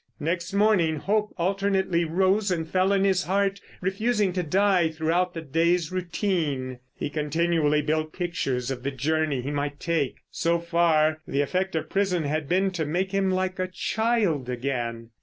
Next morning hope alternately rose and fell in his heart, refusing to die throughout the day's routine. He continually built pictures of the journey he might take. So far, the effect of prison had been to make him like a child again.